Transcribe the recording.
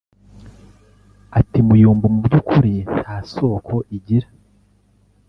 Ati "Muyumbu mu by’ukuri nta soko igira